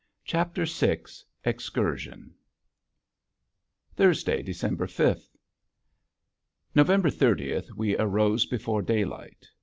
CHAPTER VI EXCURSION Thursday, December fifth. November thirtieth we arose before daylight.